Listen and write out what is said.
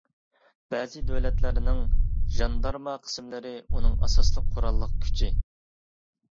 بەزى دۆلەتلەرنىڭ، ژاندارما قىسىملىرى ئۇنىڭ ئاساسلىق قوراللىق كۈچى.